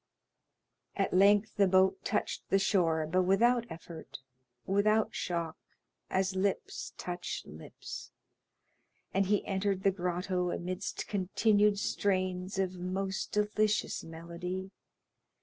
At length the boat touched the shore, but without effort, without shock, as lips touch lips; and he entered the grotto amidst continued strains of most delicious melody.